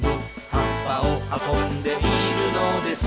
「葉っぱを運んでいるのです」